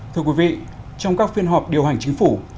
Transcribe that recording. thưa quý vị trong các phiên họp điều hành chính phủ